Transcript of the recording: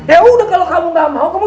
yaudah kalau kamu gak mau